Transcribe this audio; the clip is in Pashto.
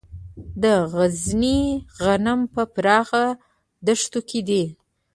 د غزني غنم په پراخو دښتو کې دي.